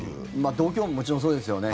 度胸ももちろんそうですよね。